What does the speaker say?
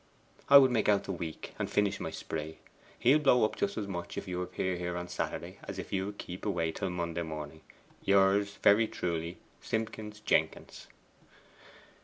I would make out the week and finish my spree. He will blow up just as much if you appear here on Saturday as if you keep away till Monday morning. Yours very truly, 'SIMPKINS JENKINS.